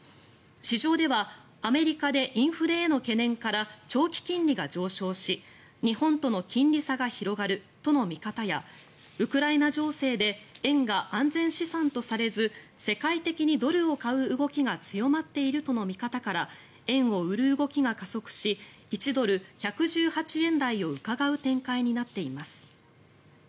市場ではアメリカでインフレへの懸念から長期金利が上昇し日本との金利差が広がるとの見方やウクライナ情勢で円が安全資産とされず世界的にドルを買う動きが強まっているとの見方から円を売る動きが加速し１ドル＝１１８円台をうかがう展開になっています。